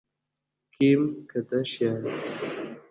Kim Kardashian